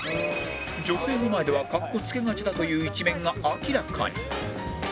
女性の前では格好付けがちだという一面が明らかに